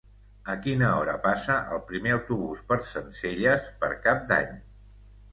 A quina hora passa el primer autobús per Sencelles per Cap d'Any?